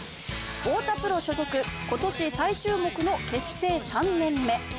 太田プロ所属今年最注目の結成３年目。